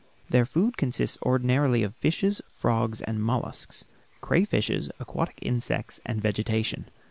Their food consists ordinarily of fishes, frogs, and mollusks, crayfishes, aquatic insects, and vegetation.